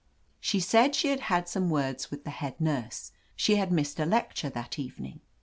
"She said she had had some words with the head nurse. She had missed a lecture that evening."